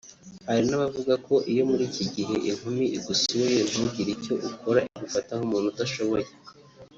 Hari n’abavuga ko iyo muri iki gihe inkumi igusuye ntugire icyo ukora igufata nk’umuntu udashoboye